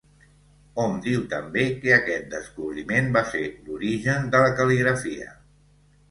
Hom diu també que aquest descobriment va ser l'origen de la cal·ligrafia.